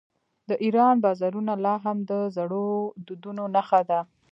د ایران بازارونه لا هم د زړو دودونو نښه ده.